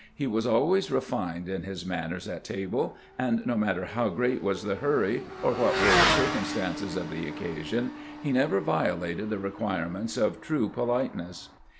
He was always refined in his manners at table, and no matter how great was the hurry, or what were the circumstances of the occasion, he never violated the requirements of true politeness.